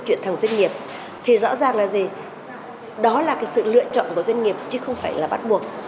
chuyển thành doanh nghiệp thì rõ ràng là gì đó là cái sự lựa chọn của doanh nghiệp chứ không phải là bắt buộc